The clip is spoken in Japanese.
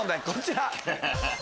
こちら。